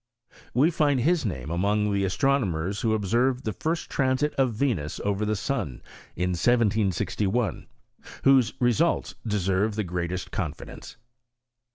We find hia name among the astronomers who observed the first transit of Venus over the sun, in 1761, whose re sults deserve the greatest confidence."